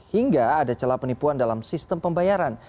hingga ada celah penipuan dalam sistem pembayaran